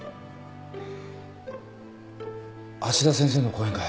芦田先生の講演会